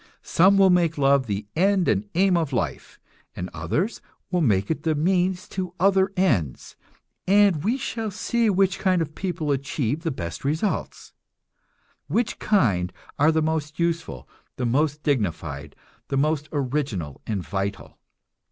Some will make love the end and aim of life, and others will make it the means to other ends, and we shall see which kind of people achieve the best results, which kind are the most useful, the most dignified, the most original and vital.